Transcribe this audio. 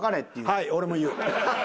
はい俺も言う。